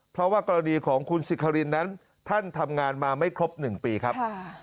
เพราะว่ากรณีของคุณสิครินนั้นท่านทำงานมาไม่ครบ๑ปีครับ